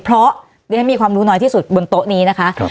เพราะดิฉันมีความรู้น้อยที่สุดบนโต๊ะนี้นะคะ